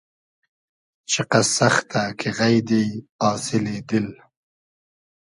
چیقئس سئختۂ کی غݷدی آسیلی دیل